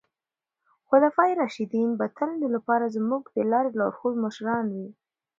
خلفای راشدین به د تل لپاره زموږ د لارې لارښود مشران وي.